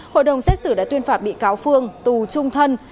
hội đồng xét xử đã tuyên phạt bị cáo phương tù trung thân